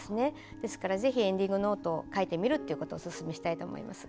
ですからぜひエンディングノートを書いてみるということをおすすめしたいと思います。